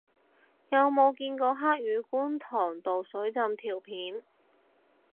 有冇見過黑雨觀塘道水浸條片